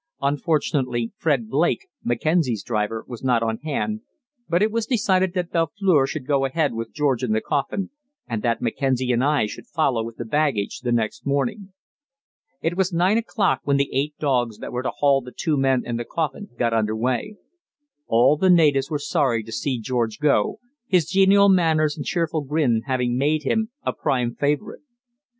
Unfortunately Fred Blake, Mackenzie's driver, was not on hand, but it was decided that Belfleur should go ahead with George and the coffin, and that Mackenzie and I should follow with the baggage the next morning. It was nine o'clock when the eight dogs that were to haul the two men and the coffin got under way. All the natives were sorry to see George go, his genial manners and cheerful grin having made him a prime favourite.